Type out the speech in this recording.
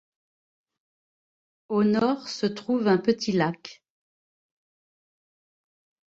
Au nord se trouve un petit lac.